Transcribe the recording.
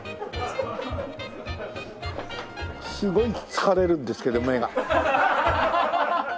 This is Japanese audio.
すごい疲れるんですけど目が。